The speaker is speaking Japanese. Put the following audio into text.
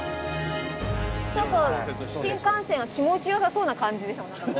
ちょっと新幹線が気持ち良さそうな感じでしたもん。